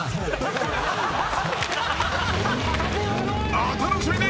お楽しみに！